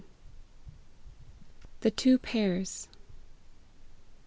THE TWO PAIRS.